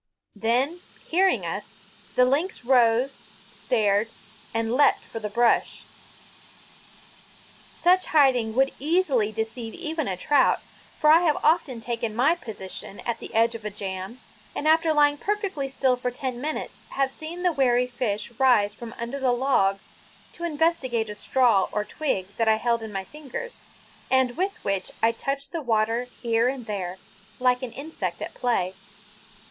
Then, hearing us, the lynx rose, stared, and leaped for the brush. Such hiding would easily deceive even a trout, for I have often taken my position at the edge of a jam and after lying perfectly still for ten minutes have seen the wary fish rise from under the logs to investigate a straw or twig that I held in my fingers and with which I touched the water here and there, like an insect at play.